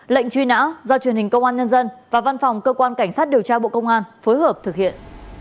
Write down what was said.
lệnh truy nã do truyền hình công an nhân dân và văn phòng cơ quan cảnh sát điều tra bộ công an phối hợp thực hiện